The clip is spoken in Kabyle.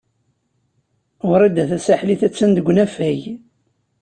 Wrida Tasaḥlit a-tt-an deg unafag.